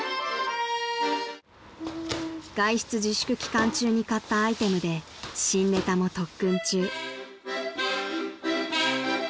［外出自粛期間中に買ったアイテムで新ネタも特訓中］